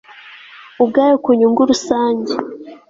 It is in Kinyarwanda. ubwayo ku nyungu rusange